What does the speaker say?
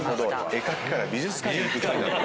絵描きから美術館に行く人になった。